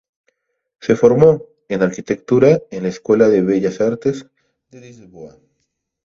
Se formó en Arquitectura en la Escuela de Bellas Artes de Lisboa.